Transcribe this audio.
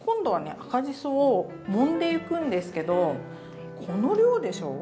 赤じそをもんでいくんですけどこの量でしょ？